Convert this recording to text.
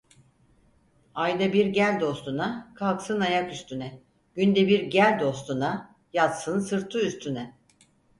Ayda bir gel dostuna, kalksın ayak üstüne; günde bir gel dostuna, yatsın sırtı üstüne.